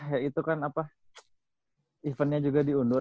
ya itu kan apa eventnya juga diundur